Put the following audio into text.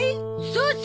そうさ！